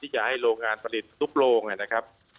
จะให้โรงงานผลิตตรุบโลก